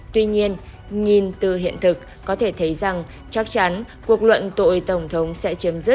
tuy nhiên nhìn từ hiện thực có thể thấy rằng chắc chắn cuộc luận tội tổng thống sẽ chấm dứt